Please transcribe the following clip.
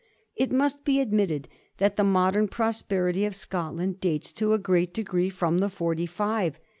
It must be admitted that the modern prosperity of Scotland dates in a great degree from the Forty five.